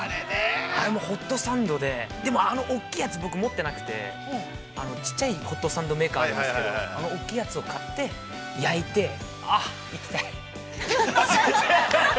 あれもホットサンドで、でも、あの大きいやつ、僕持ってなくてちっちゃいホットサンドメーカーなんですけど、あの大きいやつを買って、焼いて、行きたい。